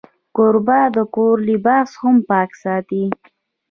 کوربه د کور لباس هم پاک ساتي.